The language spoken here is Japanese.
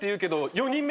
４人目！